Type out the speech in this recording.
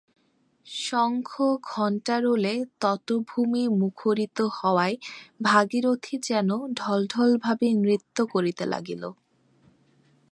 শঙ্খ-ঘণ্টারোলে তটভূমি মুখরিত হওয়ায় ভাগীরথী যেন ঢল ঢল ভাবে নৃত্য করিতে লাগিল।